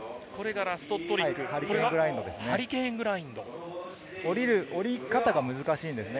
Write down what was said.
ラストトリックはハリケーングラインドですね。